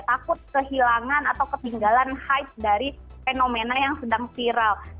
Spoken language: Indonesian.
takut kehilangan atau ketinggalan hype dari fenomena yang sedang viral